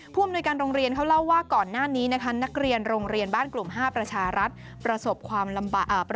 ผู้อำนวยการโรงเรียนเขาเล่าว่าก่อนหน้านี้นะคะนักเรียนโรงเรียนบ้านกลุ่ม๕ประชารัฐประสบความลำบาก